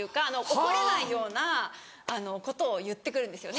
怒れないようなことを言ってくるんですよね。